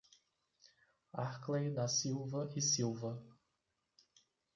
Arkley da Silva E Silva